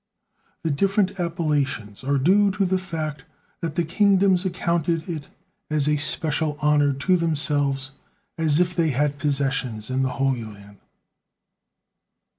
The different appellations are due to the fact that the kingdoms accounted it as a special honor to themselves if they had possessions in the Holy Land.